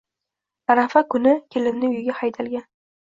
Arafa kuni kelinni uyiga haydalgan.